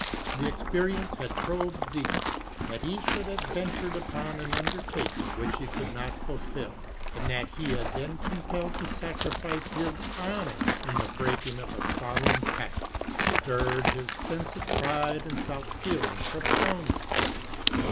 The experience had probed deep. That he should have ventured upon an undertaking which he could not fulfill, and that he had been compelled to sacrifice his honor in the breaking of a solemn pact, stirred his sense of pride and self feeling profoundly.